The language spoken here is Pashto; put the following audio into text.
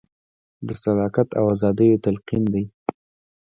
د صداقت او ازادیو تلقین دی.